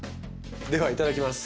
ではいただきます。